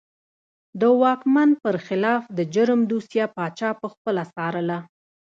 د واکمن پر خلاف د جرم دوسیه پاچا پخپله څارله.